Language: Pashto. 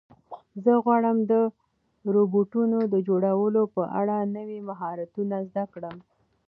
زه غواړم د روبوټونو د جوړولو په اړه نوي مهارتونه زده کړم.